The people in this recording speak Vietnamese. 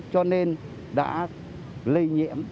cho nên đã lây nhiễm